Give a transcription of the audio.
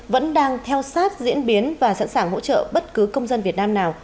vẫn đang theo sát diễn biến và sẵn sàng hỗ trợ bất cứ công dân việt nam nào